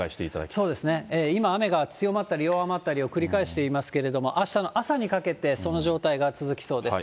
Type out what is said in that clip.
そうですね、今、雨が強まったり弱まったりを繰り返していますけれども、あしたの朝にかけて、その状態が続きそうです。